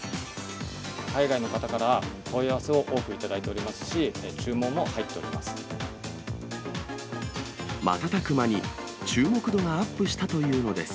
海外の方から問い合わせを多く頂いておりますし、注文も入っております。